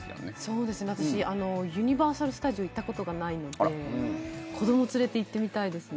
そうですね、私ユニバーサル・スタジオ行ったことがないので子ども連れて行ってみたいです。